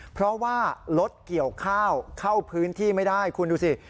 เพราะว่ารถเกี่ยวข้าวเข้าพื้นที่ไม่ได้คุณดูสิ